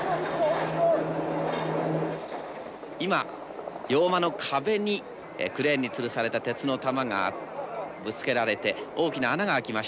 今洋間の壁にクレーンにつるされた鉄の球がぶつけられて大きな穴が開きましたね。